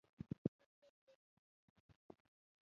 هر سوك بيا مازغه نلري.